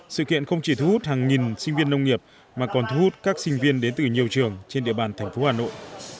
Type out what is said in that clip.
sự kiện không chỉ thu hút hàng nghìn sinh viên nông nghiệp mà còn thu hút các sinh viên đến từ nhiều trường trên địa bàn thành phố hà nội